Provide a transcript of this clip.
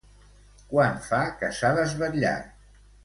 Quant fa que s'ha desvetllat?